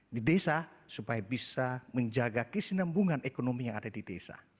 di desa supaya bisa menjaga kesinambungan ekonomi yang ada di desa